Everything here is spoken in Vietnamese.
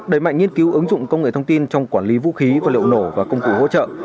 đẩy mạnh nghiên cứu ứng dụng công nghệ thông tin trong quản lý vũ khí và liệu nổ và công cụ hỗ trợ